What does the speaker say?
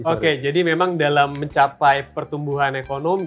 oke jadi memang dalam mencapai pertumbuhan ekonomi